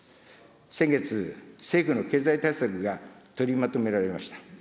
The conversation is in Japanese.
先月、政府の経済対策が取りまとめられました。